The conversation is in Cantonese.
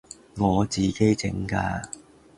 我自己整㗎